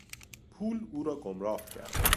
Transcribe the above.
پول او را گمراه کرد.